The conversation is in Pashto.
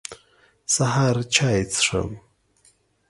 سهار چاي څښم.